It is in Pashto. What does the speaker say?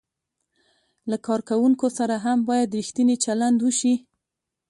له کارکوونکو سره هم باید ریښتینی چلند وشي.